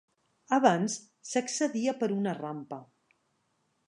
Abans s'accedia per una rampa.